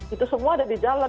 itu semua ada di jalan